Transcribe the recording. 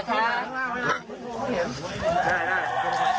ของคนอื่นนะคะ